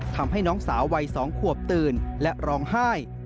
ทำให้น้องสาววัย๒ขวบตื่นและร้องไห้